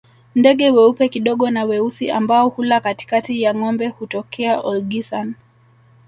Ndege weupe kidogo na weusi ambao hula katikati ya ngombe hutokea Olgisan